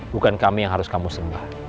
bukan kami yang harus kamu sembah